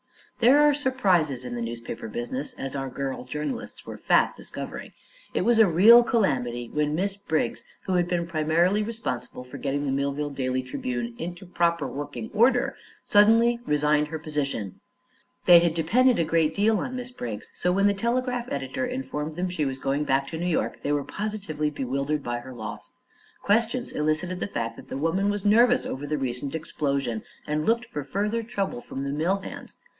There are surprises in the newspaper business, as our girl journalists were fast discovering. It was a real calamity when Miss Briggs, who had been primarily responsible for getting the Millville Daily Tribune into proper working order, suddenly resigned her position. They had depended a great deal on Miss Briggs, so when the telegraph editor informed them she was going back to New York, they were positively bewildered by her loss. Questions elicited the fact that the woman was nervous over the recent explosion and looked for further trouble from the mill hands.